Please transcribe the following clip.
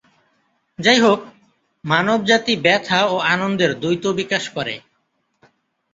যাইহোক, মানবজাতি ব্যথা ও আনন্দের দ্বৈত বিকাশ করে।